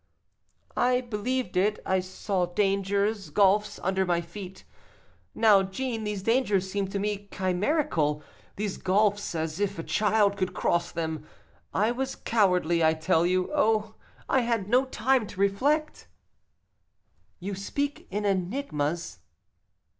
"I believed it; I saw dangers, gulfs under my feet. Now, Jeanne, these dangers seem to me chimerical, these gulfs as if a child could cross them. I was cowardly, I tell you; oh, I had no time to reflect." "You speak in enigmas."